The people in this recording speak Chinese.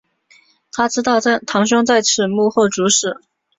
她知道堂兄在此事幕后主使。